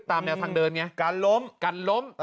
ตามแนวทางเดินไงกันล้ม